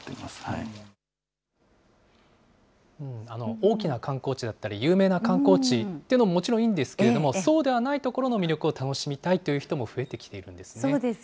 大きな観光地だったり、有名な観光地というのももちろんいいんですけれども、そうではない所の魅力を楽しみたいという人も増えてきているんですね。